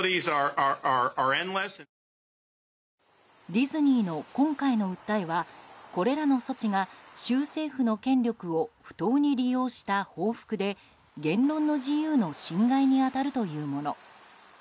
ディズニーの今回の訴えはこれらの措置が州政府の権力を不当に利用した報復で言論の自由の侵害に当たるというもの。